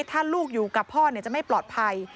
ถ้าลูกอยู่กับพ่อจะไม่ปลอดภัย